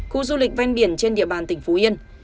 khu du lịch ven biển trên địa bàn tỉnh phú yên